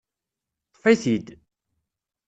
Ṭṭfit-id.